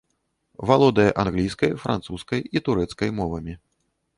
Валодае англійскай, французскай і турэцкай мовамі.